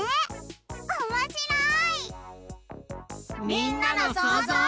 みんなのそうぞう。